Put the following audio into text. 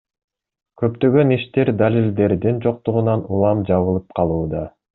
Көптөгөн иштер далилдердин жоктугунан улам жабылып калууда.